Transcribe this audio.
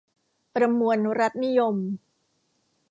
ประมวลรัฐนิยม